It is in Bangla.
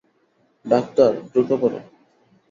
ডাক্তার, দ্রুত কর!